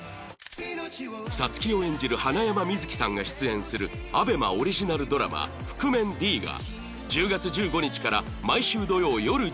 皐月を演じる花山瑞貴さんが出演する ＡＢＥＭＡ オリジナルドラマ『覆面 Ｄ』が１０月１５日から毎週土曜よる１０時配信中